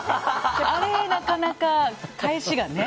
あれ、なかなか返しがね。